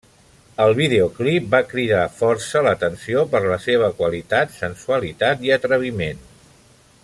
El videoclip va cridar força l'atenció per la seva qualitat, sensualitat i atreviment.